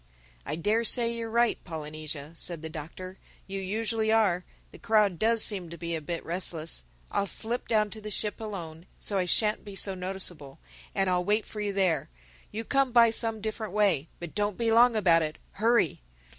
"I dare say you're right, Polynesia," said the Doctor—"You usually are. The crowd does seem to be a bit restless. I'll slip down to the ship alone—so I shan't be so noticeable; and I'll wait for you there. You come by some different way. But don't be long about it. Hurry!"